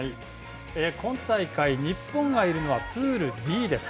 今大会日本がいるのは、プールＤです。